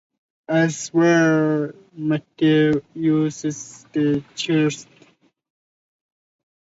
Elsewhere Matthew uses "the Christ".